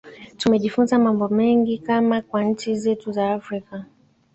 tumejifunza mambo mengi kama kwa nchi zetu za afrika